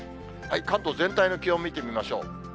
関東全体の気温を見てみましょう。